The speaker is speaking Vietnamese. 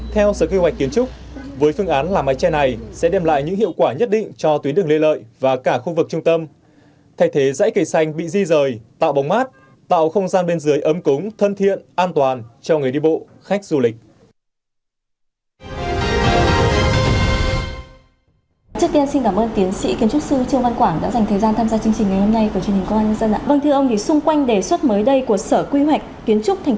theo sở kế hoạch kiến trúc với phương án làm mái tre này sẽ đem lại những hiệu quả nhất định cho tuyến đường lê lợi và cả khu vực trung tâm thay thế dãy cây xanh bị di rời tạo bóng mát tạo không gian bên dưới ấm cúng thân thiện an toàn cho người đi bộ khách du lịch